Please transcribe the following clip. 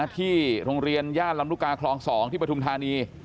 ที่โรงเรียนย่านลำลูกกาคลอง๒ที่ปฐุมธานี